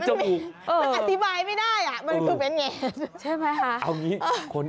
มาเจ๋งด้วย